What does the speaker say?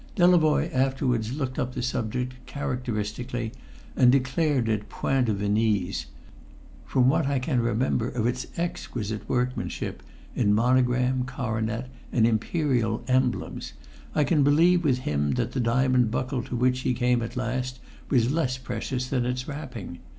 Delavoye afterwards looked up the subject, characteristically, and declared it Point de Venise; from what I can remember of its exquisite workmanship, in monogram, coronet, and imperial emblems, I can believe with him that the diamond buckle to which he came at last was less precious than its wrapping.